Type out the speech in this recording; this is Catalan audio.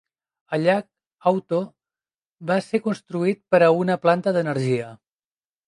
El llac Hauto va ser construït per a una planta d'energia.